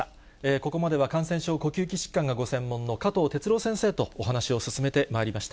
ここまでは感染症呼吸器疾患がご専門の加藤哲朗先生とお話を進めてまいりました。